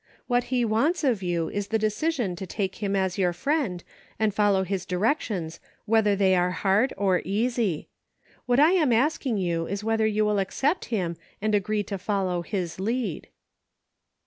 What he wants of you is the decision to take him as your friend and follow his directions whether they are hard or easy. What I am asking you is whether you will accept him and agree to follow his lead."